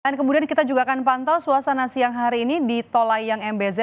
dan kemudian kita juga akan pantau suasana siang hari ini di tolayang mbz